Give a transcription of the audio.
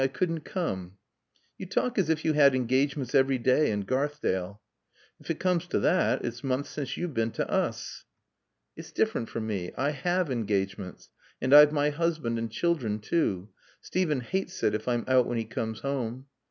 I couldn't come." "You talk as if you had engagements every day in Garthdale." "If it comes to that, it's months since you've been to us." "It's different for me. I have engagements. And I've my husband and children too. Steven hates it if I'm out when he comes home."